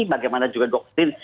bagaimana juga doktrin